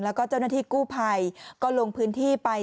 แล้วก็เจ้าหน้าที่กู้ภัยก็ลงพื้นที่ไป